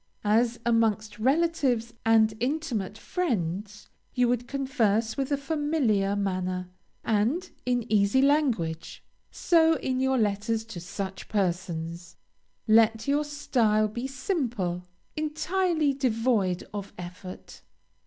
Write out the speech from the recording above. As amongst relatives and intimate friends you would converse with a familiar manner, and in easy language, so in your letters to such persons, let your style be simple, entirely devoid of effort.